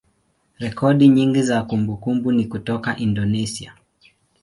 rekodi nyingi za kumbukumbu ni kutoka Indonesia.